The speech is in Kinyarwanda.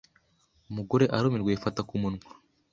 Umugore arumirwa yifata kumunwa